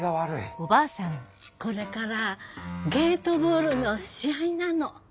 これからゲートボールの試合なの。